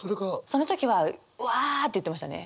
その時は「わぁ」って言ってましたね！